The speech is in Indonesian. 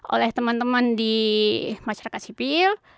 oleh teman teman di masyarakat sipil